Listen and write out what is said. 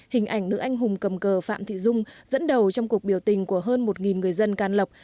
hình ảnh nữ anh hùng cầm cờ phạm thị dung dẫn đầu trong cuộc biểu tình của hơn một người dân can lộc